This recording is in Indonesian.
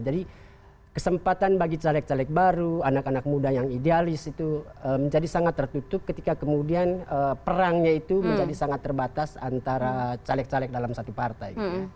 jadi kesempatan bagi caleg caleg baru anak anak muda yang idealis itu menjadi sangat tertutup ketika kemudian perangnya itu menjadi sangat terbatas antara caleg caleg dalam satu partai